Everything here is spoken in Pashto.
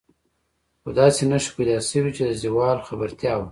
خو داسې نښې پیدا شوې چې د زوال خبرتیا وه.